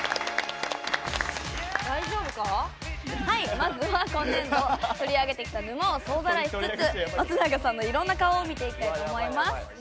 まずは今年度取り上げてきた沼を総ざらいしつつ松永さんのいろんな顔を見ていきたいと思います。